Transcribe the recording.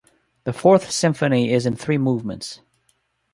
The Fourth Symphony is in three movements.